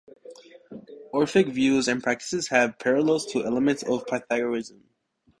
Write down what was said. Orphic views and practices have parallels to elements of Pythagoreanism.